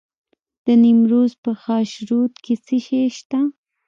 د نیمروز په خاشرود کې څه شی شته؟